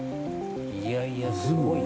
いやいやすごいな。